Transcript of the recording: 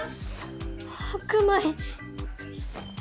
白米。